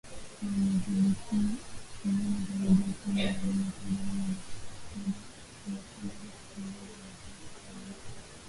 wamedhibithi sehemu zaidi ya kumi na nne Kagame na Tshisekedi wamekubali kupunguza uhasama